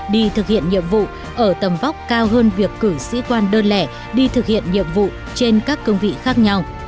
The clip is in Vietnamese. đi thực hiện nhiệm vụ ở tầm vóc cao hơn việc cử sĩ quan đơn lẻ đi thực hiện nhiệm vụ trên các cương vị khác nhau